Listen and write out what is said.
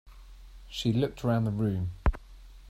She looked round the room.